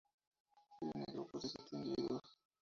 Viven en grupos de siete individuos.